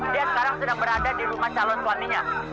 dia sekarang sedang berada di rumah calon suaminya